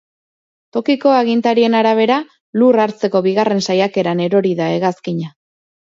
Tokiko agintarien arabera, lur hartzeko bigarren saiakeran erori da hegazkina.